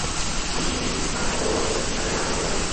তিনি এটি তার ভাইপোর রচনা হিসাবে না জেনে প্রকাশ করেছিলেন।